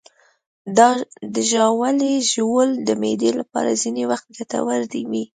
د ژاولې ژوول د معدې لپاره ځینې وخت ګټور وي.